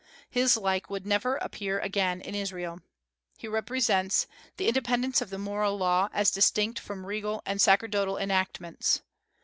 His like would never appear again in Israel. "He represents the independence of the moral law, as distinct from regal and sacerdotal enactments.